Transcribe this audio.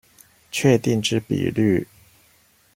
確定之比率